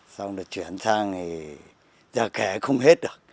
xong rồi chuyển sang thì giờ kẻ không hết được